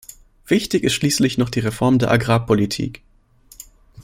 Wichtig ist schließlich noch die Reform der Agrarpolitik.